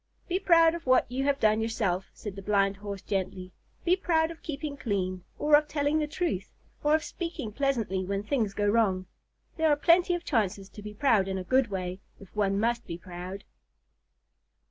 "Be proud of what you have done yourself," said the Blind Horse gently. "Be proud of keeping clean, or of telling the truth, or of speaking pleasantly when things go wrong. There are plenty of chances to be proud in a good way, if one must be proud."